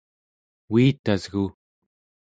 uitasgu